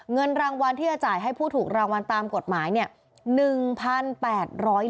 เงินรางวัลที่จะจ่ายให้ผู้ถูกรางวัลตามกฎหมายเนี่ย